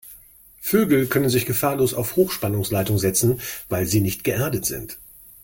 Vögel können sich gefahrlos auf Hochspannungsleitungen setzen, weil sie nicht geerdet sind.